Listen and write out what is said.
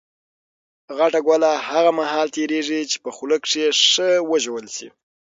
غټه ګوله هغه مهال تېرېږي، چي په خوله کښي ښه وژول سي.